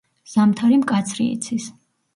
ზამთარი მკაცრი იცის.